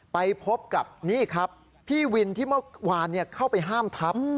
ไปพบกับนี่ครับพี่วินที่เมื่อวานเข้าไปห้ามทับ